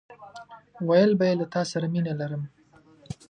ويل به يې له تاسره مينه لرم!